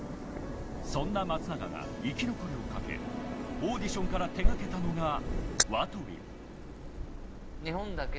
そんな松永が生き残りを賭けオーディションから手がけたのがＷＡＴＷＩＮＧ。